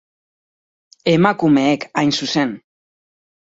Emakumeek, hain zuzen.